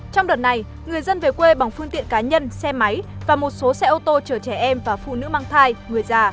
trong đợt này người dân về quê bằng phương tiện cá nhân xe máy và một số xe ô tô chở trẻ em và phụ nữ mang thai người già